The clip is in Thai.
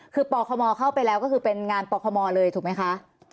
คือปคมเข้าไปแล้วก็คือเป็นงานปคมเลยถูกไหมคะ